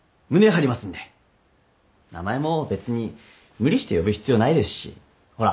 名前も別に無理して呼ぶ必要ないですしほら